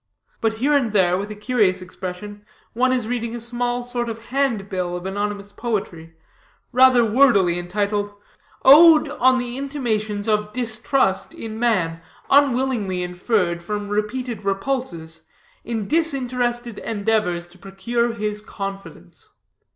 But here and there, with a curious expression, one is reading a small sort of handbill of anonymous poetry, rather wordily entitled: "ODE ON THE INTIMATIONS OF DISTRUST IN MAN, UNWILLINGLY INFERRED FROM REPEATED REPULSES, IN DISINTERESTED ENDEAVORS TO PROCURE HIS CONFIDENCE."